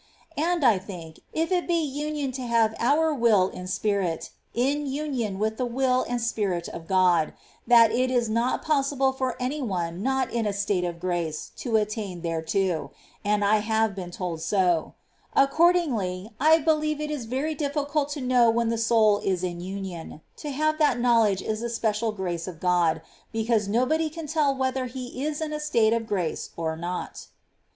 And I think, if it be union to have our will and spirit in union with the will and Spirit of God, that it is not possible for any one not in a state of grace to attain thereto ; and I have been told so. Accordingly, I believe it is very ditficult to know when the soul is in union ; to have that know^ledge is a special grace of God, because nobody can tell whether he is in a state of grace or not.^ 4.